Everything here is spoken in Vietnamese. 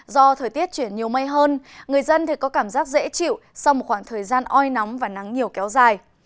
do thời tiết chuyển nhiều mây hơn người dân có cảm giác dễ chịu sau một khoảng thời gian oi nóng và nắng nhiều kéo dài